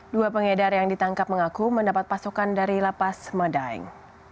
dua pengedar yang ditangkap mengaku mendapat pasokan dari lapas medaeng